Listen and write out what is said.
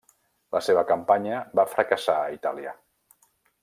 La seva campanya va fracassar a Itàlia.